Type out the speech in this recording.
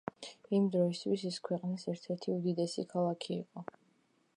იმ დროისთვის ის ქვეყნის ერთ-ერთი უდიდესი ქალაქი იყო.